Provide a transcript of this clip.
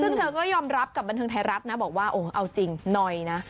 ซึ่งเธอก็ยอมรับกับบันเทิงไทยรัฐนะบอกว่าโอ้เอาจริงหน่อยนะ